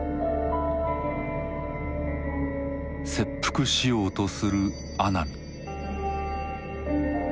切腹しようとする阿南。